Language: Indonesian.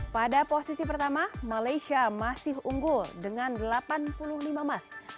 pada posisi pertama malaysia masih unggul dengan delapan puluh lima emas